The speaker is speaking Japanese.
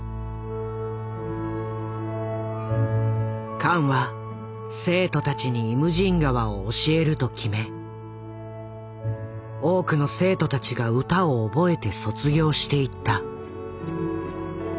カンは生徒たちに「イムジン河」を教えると決め多くの生徒たちが歌を覚えて卒業していった。